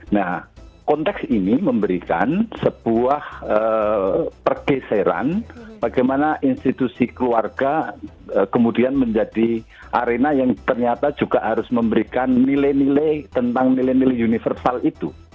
nah konteks ini memberikan sebuah pergeseran bagaimana institusi keluarga kemudian menjadi arena yang ternyata juga harus memberikan nilai nilai tentang nilai nilai universal itu